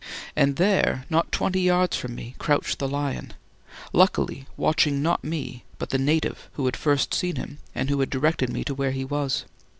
And there, not twenty yards from me, crouched the lion luckily watching, not me, but the native who had first seen him and who had directed me to where he was.